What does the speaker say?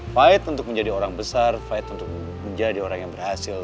fight untuk menjadi orang besar fight untuk menjadi orang yang berhasil